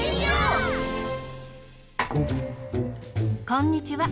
こんにちは。